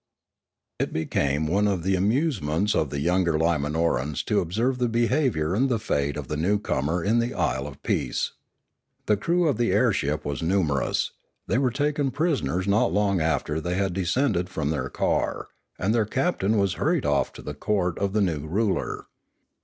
It became one of the amusements of the younger Limanorans to observe the behaviour and the fate of the newcomer in the isle of peace. The crew of the airship was numerous; they were taken prisoners not long after they had descended from their car, and their captain was hurried off to the court of the new ruler.